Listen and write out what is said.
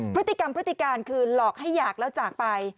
พฤติกรรมพฤติการคือหลอกให้อยากแล้วจากไป